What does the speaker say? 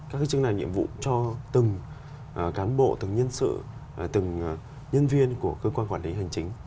các cái chức năng nhiệm vụ cho từng cán bộ từng nhân sự từng nhân viên của cơ quan quản lý hành chính